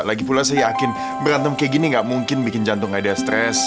lagipula saya yakin berantem kayak gini gak mungkin bikin jantung aida stress